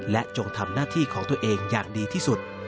และจงทำหน้าที่ของตัวเองอย่างดีที่สุด